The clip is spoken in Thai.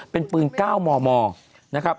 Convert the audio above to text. เป็นปืน๙มมนะครับ